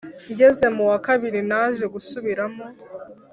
ngeze mu wa kabiri naje gusubiramo